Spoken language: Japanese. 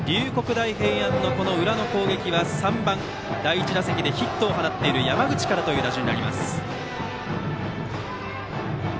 大平安の裏の攻撃は３番、第１打席でヒットを放っている山口からという打順。